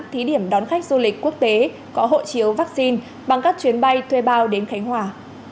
thí điểm đón khách du lịch quốc tế có hộ chiếu vaccine bằng các chuyến bay thuê bao đến khánh hòa